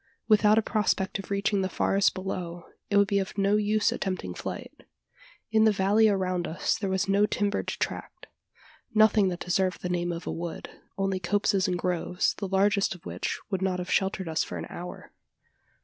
Without a prospect of reaching the forest below it would be of no use attempting flight. In the valley around us there was no timbered tract nothing that deserved the name of a wood: only copses and groves, the largest of which would not have sheltered us for an hour.